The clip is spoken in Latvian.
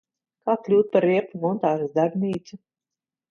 Kā kļūt par riepu montāžas darbnīcu?